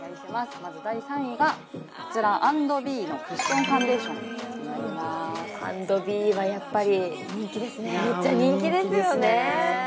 まず第３位がこちら＆ｂｅのクッションファンデーションとなります＆ｂｅはやっぱり人気ですねめっちゃ人気ですよね